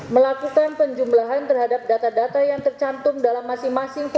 melakukan penjumlahan terhadap data data yang tercantum dalam masing masing